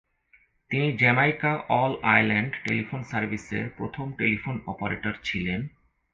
তিনি Jamaica all island telephone সার্ভিসের প্রথম টেলিফোন অপারেটর ছিলেন।